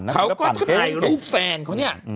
เขาก็ถ่ายรูปแฟนเขาเนี่ย